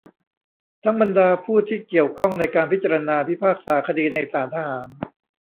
ทั้งบรรดาผู้ที่เกี่ยวข้องในการพิจารณาพิพากษาคดีในศาลทหาร